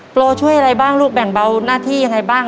โปรช่วยอะไรบ้างลูกแบ่งเบาหน้าที่ยังไงบ้าง